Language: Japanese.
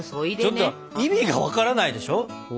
ちょっと意味が分からないでしょ？